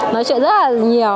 nói chuyện rất là nhiều